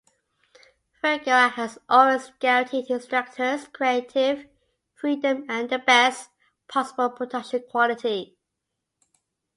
Vergara has always guaranteed his directors creative freedom and the best possible production quality.